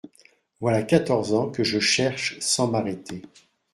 Voilà quatorze ans que je cherche sans m'arrêter.